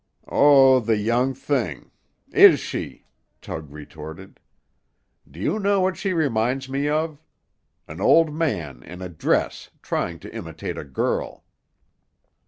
"Oh, the young thing; is she," Tug retorted. "Do you know what she reminds me of? An old man in a dress trying to imitate a girl."